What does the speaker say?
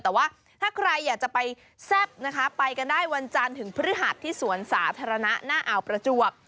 แต่ว่าถ้าใครอยากจะไปแซ่บนะคะไปกันได้วันจันทร์ถึงพฤหัสที่สวนสาธารณะหน้าอ่าวประจวบ